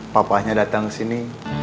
papahnya datang kesini